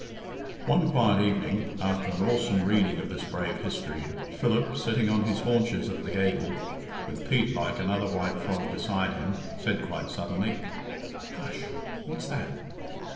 One quiet evening, after an awesome reading of this brave history, Philip, sitting on his haunches at the gable, with Pete like another white frog beside him, said quite suddenly, "Hush! What's that?"